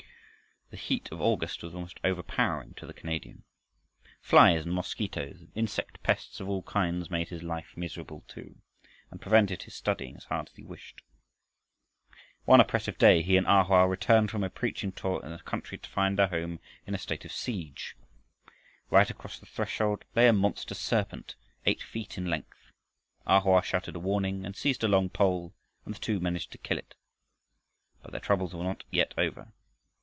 The heat of August was almost overpowering to the Canadian. Flies and mosquitoes and insect pests of all kinds made his life miserable, too, and prevented his studying as hard as he wished. One oppressive day he and A Hoa returned from a preaching tour in the country to find their home in a state of siege. Right across the threshold lay a monster serpent, eight feet in length. A Hoa shouted a warning, and seized a long pole, and the two managed to kill it. But their troubles were not yet over.